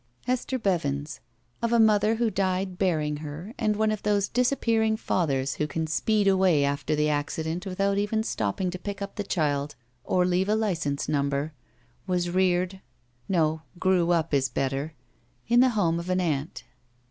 Hester Bevins, of a mother who died bearing her and one of those disappearing fathers who can speed away after the accident without even stopping to pick up the child or leave a license number, was reared — ^no, grew up, is better — ^in the home of an aunt.